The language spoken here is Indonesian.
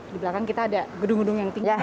di belakang kita ada gedung gedung yang tinggal